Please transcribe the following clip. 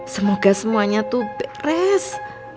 semoga semuanya tuh beres